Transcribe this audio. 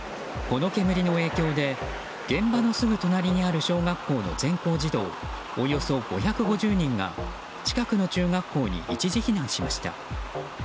この煙の影響で現場のすぐ隣にある小学校の全校児童およそ５５０人が近くの中学校に一時避難しました。